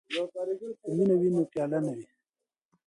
که مینه وي نو پیاله نه وي.